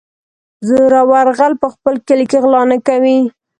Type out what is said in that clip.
- زورور غل په خپل کلي کې غلا نه کوي.